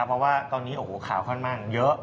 เพราะว่าตอนนี้ข่าวขนมากเยอะ